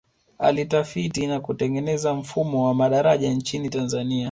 alitafiti na kutengeneza mfumo wa madaraja nchini tanzania